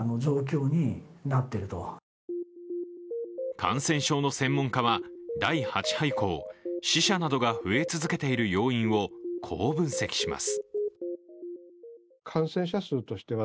感染症の専門家は第８波以降死者などが増え続けている要因を、こう分析します。